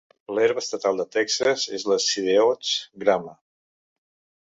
L'herba estatal de Texas és la sideoats grama.